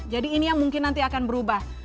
jadi ini yang mungkin nanti akan berubah